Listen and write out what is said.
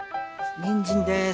にんじんです。